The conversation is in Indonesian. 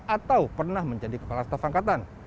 atau pernah menjadi kepala staf angkatan